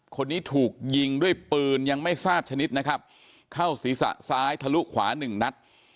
คนนี้ถูกยิงด้วยปืนยังไม่ทราบชนิดนะครับเข้าศีรษะซ้ายทะลุขวาหนึ่งนัด